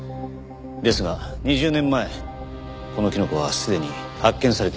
ですが２０年前このキノコはすでに発見されていた。